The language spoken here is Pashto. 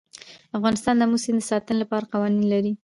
افغانستان د آمو سیند د ساتنې لپاره قوانین لري.